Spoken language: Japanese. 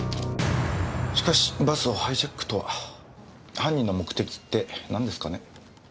しかしバスをハイジャックとは犯人の目的ってなんですかね。